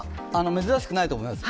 珍しくないと思いますよ。